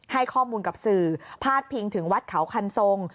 ให้ข้อมูลกับสื่อพาดพิงถึงวัดเขาคันทรง